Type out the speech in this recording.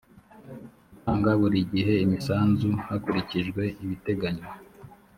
gutanga buri gihe imisanzu hakurikijwe ibiteganywa